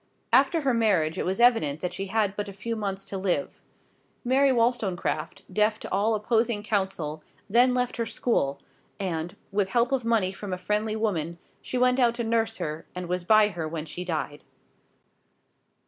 After her marriage it was evident that she had but a few months to live; Mary Wollstonecraft, deaf to all opposing counsel, then left her school, and, with help of money from a friendly woman, she went out to nurse her, and was by her when she died.